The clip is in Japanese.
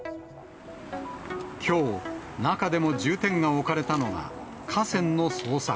きょう、中でも重点が置かれたのが、河川の捜索。